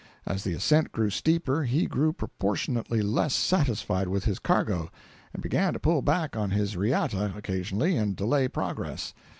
As the ascent grew steeper he grew proportionately less satisfied with his cargo, and began to pull back on his riata occasionally and delay progress.